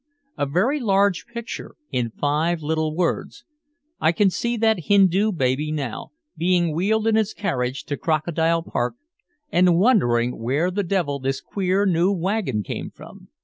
A very large picture in five little words. I can see that Hindu baby now being wheeled in its carriage to Crocodile Park and wondering where the devil this queer new wagon came from.